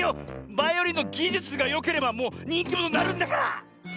バイオリンのぎじゅつがよければもうにんきものになるんだから！